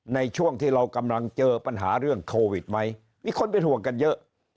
ในช่วงที่เรากำลังเจอปัญหาเรื่องโควิดไหมมีคนเป็นห่วงกันเยอะ